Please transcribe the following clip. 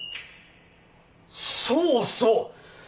そうそう！